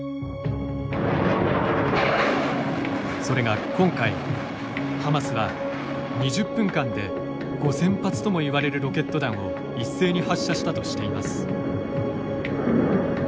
それが今回、ハマスは２０分間で５０００発ともいわれるロケット弾を一斉に発射したとしています。